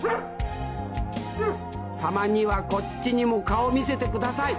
たまにはこっちにも顔見せてください！